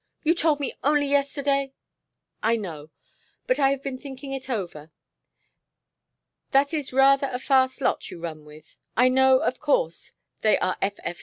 You told me only yesterday " "I know. But I have been thinking it over. That is rather a fast lot you run with. I know, of course, they are F.